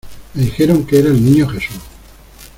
me dijeron que era el Niño Jesús.